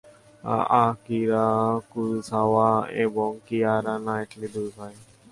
Akira Kurosawa এবং Keira Knightley দুই ভাই।